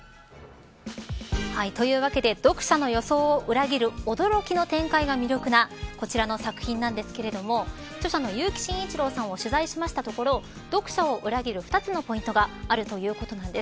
というわけで読者の予想を裏切る驚きの展開が魅力なこちらの作品なんですが著者の結城真一郎さんを取材したところ読者を裏切る２つのポイントがあるということなんです。